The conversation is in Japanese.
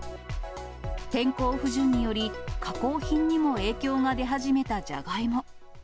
天候不順により、加工品にも影響が出始めたジャガイモ。